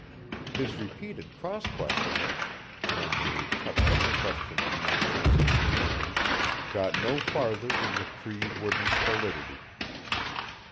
His repeated cross questionings, when they touched on the question of Ned Trent's companion, got no farther than the Cree wooden stolidity.